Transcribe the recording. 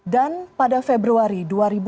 dan pada februari dua ribu dua puluh dua